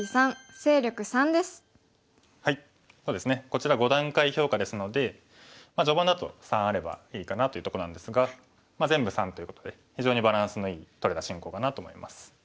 こちら５段階評価ですので序盤だと３あればいいかなというとこなんですが全部３ということで非常にバランスのいいとれた進行かなと思います。